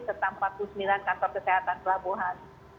serta empat puluh sembilan kantor kesehatan pelabuhan